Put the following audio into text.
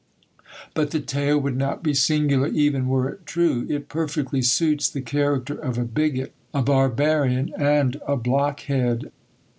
But the tale would not be singular even were it true: it perfectly suits the character of a bigot, a barbarian, and a blockhead.